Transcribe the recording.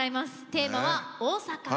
テーマは大阪。